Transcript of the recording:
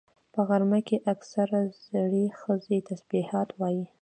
په غرمه کې اکثره زړې ښځې تسبيحات وایي